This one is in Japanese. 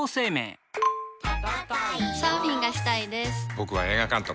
僕は映画監督。